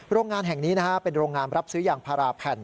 โรงงานแห่งนี้เป็นโรงงานรับซื้อยางพาราแผ่น